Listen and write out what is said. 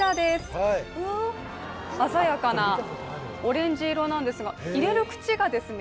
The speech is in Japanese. はい鮮やかなオレンジ色なんですが入れる口がですね